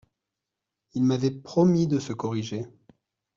Il m’avait promis de se corriger.